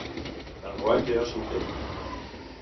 En Wright era solter.